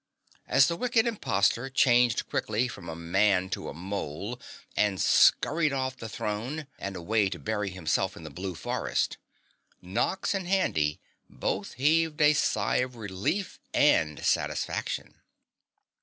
As the wicked impostor changed quickly from a man to a mole and scurried off the throne and away to bury himself in the blue forest, Nox and Handy both heaved a sigh of relief and satisfaction.